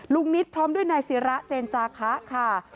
นิตพร้อมด้วยนายศิระเจนจาคะค่ะ